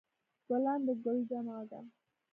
ګلان د ګل جمع ده